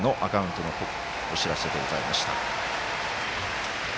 Ｘのアカウントのお知らせでございました。